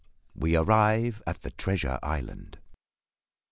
WE ARRIVE AT THE TREASURE ISLAND.